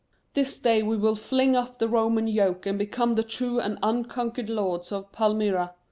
This day will we fling off the Roman yoke and become the true and unconquered lords of Palmyra.